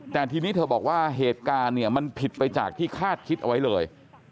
แต่ทีนี้เธอบอกว่าเหตุการณ์เนี่ยมันผิดไปจากที่คาดคิดเอาไว้เลย